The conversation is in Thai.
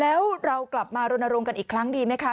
แล้วเรากลับมารณรงค์กันอีกครั้งดีไหมคะ